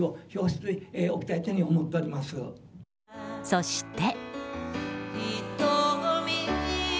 そして。